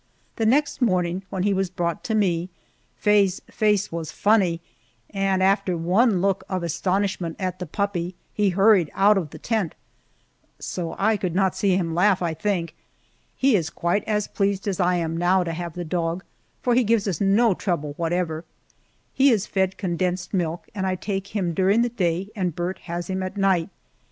The next morning, when he was brought to me, Faye's face was funny, and after one look of astonishment at the puppy he hurried out of the tent so I could not see him laugh, I think. He is quite as pleased as I am, now, to have the dog, for he gives no trouble whatever. He is fed condensed milk, and I take care of him during the day and Burt has him at night.